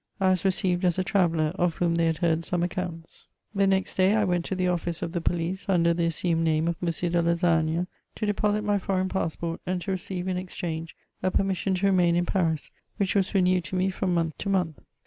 I was received as a traveller^ of whom they had heard some accounts. VOL. I. 2 L 452 MEMOIBS OF The next day I went to the office of the police, under the assumed name of M. de Lassagne, to deposit my foreign passport, and to receive in exchange a permission to remain in Paris, which was renewed to me from month to month.